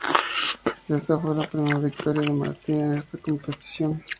Esta fue la primera victoria de Martín en esta competición.